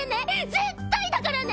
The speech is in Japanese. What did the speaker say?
絶対だからね！